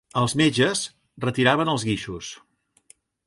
Els metges, retiraven els guixos